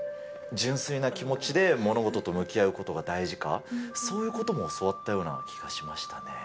純粋な気持ちで物事と向き合うことが大事か、そういうことも教わったような気がしましたね。